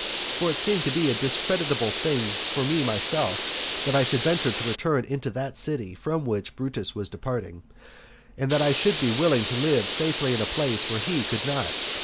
For it seemed to be a discreditable thing for me myself, that I should venture to return into that city from which Brutus was departing, and that I should be willing to live safely in a place where he could not.